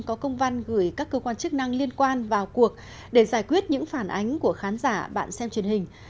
có công văn gửi các cơ quan chức năng liên quan vào cuộc để giải quyết những phản ánh của khán giả bạn xem truyền hình